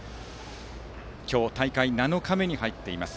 今日、大会７日目に入っています。